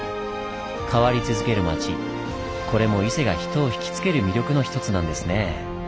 変わり続ける町これも伊勢が人を引き付ける魅力の一つなんですね。